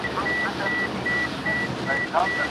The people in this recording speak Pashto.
ولي هڅاند سړی د مخکښ سړي په پرتله لوړ مقام نیسي؟